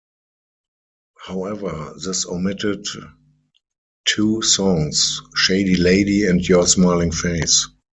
However this omitted two songs, "Shady Lady" and "Your Smiling Face".